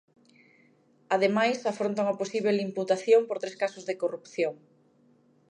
Ademais, afronta unha posíbel imputación por tres casos de corrupción.